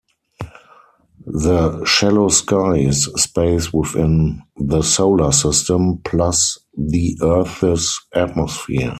The shallow sky is space within the Solar System, plus the Earth's atmosphere.